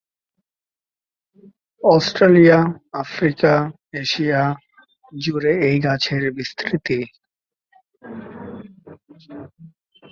Australia, Africa, Asia জুড়ে এই গাছের বিস্তৃতি।